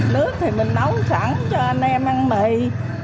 nước thì mình nấu sẵn cho anh em ăn bị